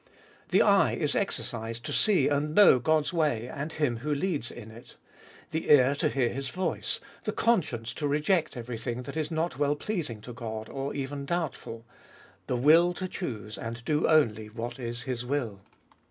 The eye is exercised to see and know God's way and Him who leads in it ; the ear to hear His voice ; the conscience to reject everything that is not well pleasing to God or even doubtful ; the will to choose and do only what is His will.